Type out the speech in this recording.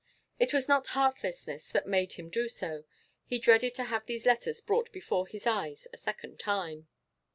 It was not heartlessness that made him do so: he dreaded to have these letters brought before his eyes a second time.